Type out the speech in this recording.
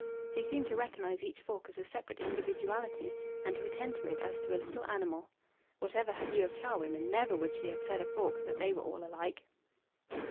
She seemed to recognize each fork as a separate individuality, and to attend to it as to a little animal. Whatever her view of charwomen, never would she have said of forks that they were all alike.